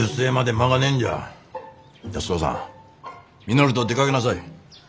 稔と出かけなさい。